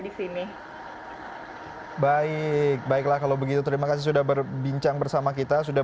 di sini baik baiklah kalau begitu terima kasih sudah berbincang bersama kita sudah